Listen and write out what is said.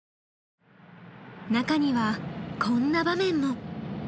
中にはこんな場面も。